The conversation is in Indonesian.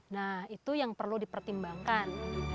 nah itu yang perlu dipertimbangkan